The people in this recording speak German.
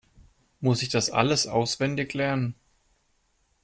Muss ich das alles auswendig lernen?